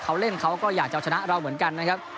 เขาเล่นเขาก็อยากจะชนะเราเหมือนกันนะครับ